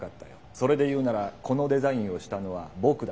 それで言うならこの「デザイン」をしたのは僕だ。